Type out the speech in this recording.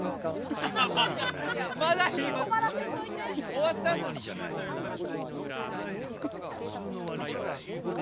終わったあとに聞きましょうよそれ。